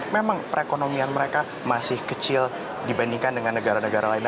memang perekonomian mereka masih kecil dibandingkan dengan negara negara lain